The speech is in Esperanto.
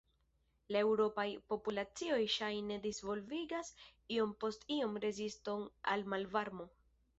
La eŭropaj populacioj ŝajne disvolvigas iom post iom reziston al malvarmo.